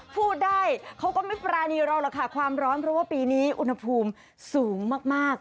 พูดได้เขาก็ไม่ปรานีเราหรอกค่ะความร้อนเพราะว่าปีนี้อุณหภูมิสูงมาก